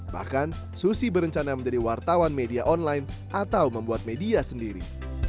bahkan susi berencana menjadi wartawan media online atau membuat media sendiri